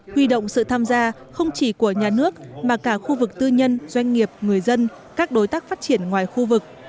huy động sự tham gia không chỉ của nhà nước mà cả khu vực tư nhân doanh nghiệp người dân các đối tác phát triển ngoài khu vực